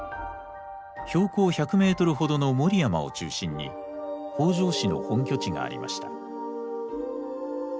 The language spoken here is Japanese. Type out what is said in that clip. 標高１００メートルほどの守山を中心に北条氏の本拠地がありました。